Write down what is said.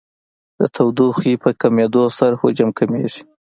د تودوخې په کمېدو سره حجم کمیږي.